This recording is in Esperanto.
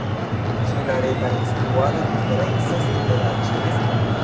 Ĉu la reta instruado diferencas de la ĉeesta?